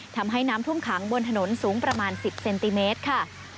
ทำให้น้ำท่วมขังบนถนนสูงประมาณ๑๐เซนติเมตรค่ะ